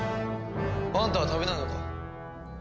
あんたは食べないのか？